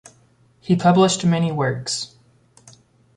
He published many works.